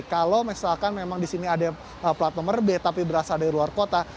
kalau misalkan memang di sini ada plat nomor b tapi berasal dari luar kota